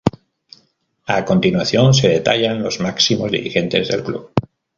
A continuación se detallan los máximos dirigentes del club.